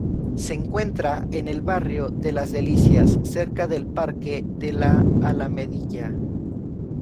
Se encuentra en el barrio de las Delicias, cerca del parque de La Alamedilla.